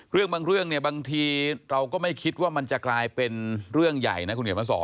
เรื่องบางเรื่องเนี่ยบางทีเราก็ไม่คิดว่ามันจะกลายเป็นเรื่องใหญ่นะคุณเขียนมาสอน